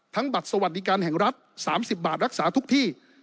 ทั้งบัตรสวัสดิกันแห่งรัฐสามสิบบาทรักษาทุกที่